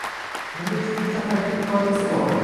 Nima uchun ko‘cha harakati qoidasi bor.